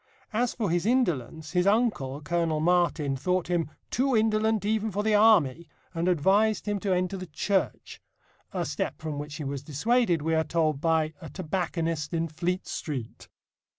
As for his indolence, his uncle, Colonel Martin, thought him "too indolent even for the Army," and advised him to enter the Church a step from which he was dissuaded, we are told, by "a tobacconist in Fleet Street."